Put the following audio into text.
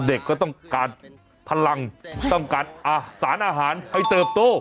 เด็กก็ต้องกัดพลังต้องกัดสารอาหารให้เติบตัว